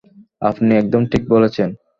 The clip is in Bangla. আপনি একদম ঠিক বলেছেন!